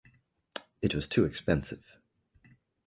It was too expensive.